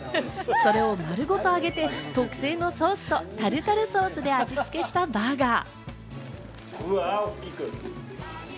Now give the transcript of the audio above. それをまるごと揚げて、特製のソースとタルタルソースで味つけしたバーガー。